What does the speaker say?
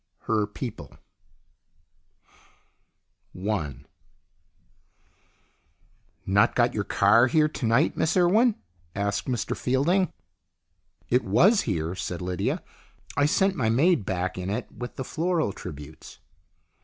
HER PEOPLE I " NOT got your car here to night, Miss Urwen ?" asked Mr Fielding. " It was here," said Lydia. " I sent my maid back in it with the floral tributes."